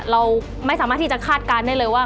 เราไม่สามารถที่จะคาดการณ์ได้เลยว่า